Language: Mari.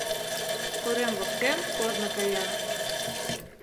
Корем воктен корно кая